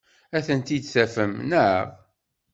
Ad tent-id-tafem, naɣ?